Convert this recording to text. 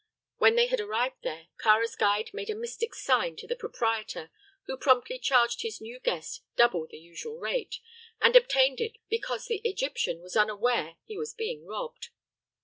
When they had arrived there, Kāra's guide made a mystic sign to the proprietor, who promptly charged his new guest double the usual rate, and obtained it because the Egyptian was unaware he was being robbed.